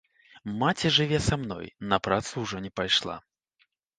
Маці жыве са мной, на працу ўжо не пайшла.